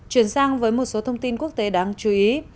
chuyển sang với một số thông tin quốc tế đáng chú ý